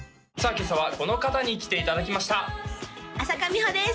今朝はこの方に来ていただきました朝花美穂です